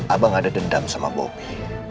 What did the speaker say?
abang ada dendam sama bobi